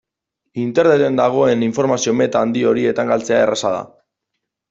Interneten dagoen informazio-meta handi horietan galtzea erraza da.